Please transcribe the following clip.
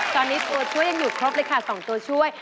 ตอนนี้ตัวช่วยยังอยู่ครบเลยค่ะ๒ตัวช่วย